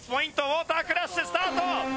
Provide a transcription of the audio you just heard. ウォータークラッシュスタート。